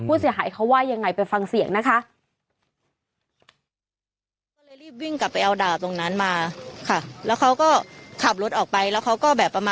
ผู้เสียหายเขาว่ายังไงไปฟังเสียงนะคะ